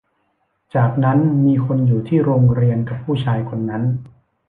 จากนั้นมีคนอยู่ที่โรงเรียนกับผู้ชายคนนั้น